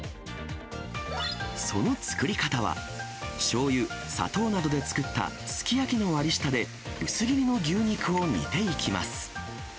その作り方は、しょうゆ、砂糖などで作ったすき焼きの割り下で薄切りの牛肉を煮ていきます。